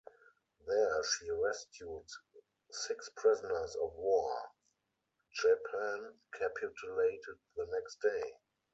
There she rescued six prisoners of war; Japan capitulated the next day.